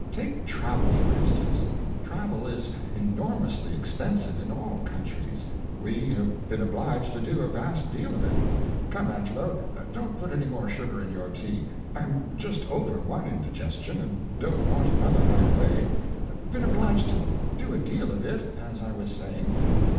Take travel, for instance. Travel is enormously expensive, in all countries; we have been obliged to do a vast deal of it come, Angelo, don't put any more sugar in your tea, I'm just over one indigestion and don't want another right away been obliged to do a deal of it, as I was saying.